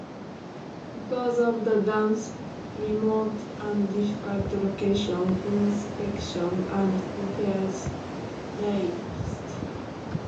Because of the dam's remote and difficult location, inspection and repairs lapsed.